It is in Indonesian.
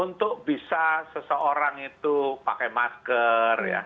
untuk bisa seseorang itu pakai masker